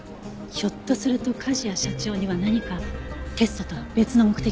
ひょっとすると梶谷社長には何かテストとは別の目的があったのかも。